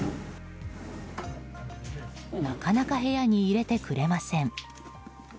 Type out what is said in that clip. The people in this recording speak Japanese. なかなか部屋に入れてくれません。